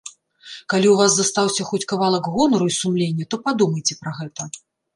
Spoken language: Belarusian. Калі ў вас застаўся хоць кавалак гонару і сумлення, то падумайце пра гэта.